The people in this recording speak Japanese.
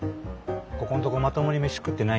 ここんとこまともに飯食ってないんで。